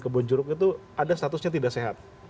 kebonjuruk itu ada statusnya tidak sehat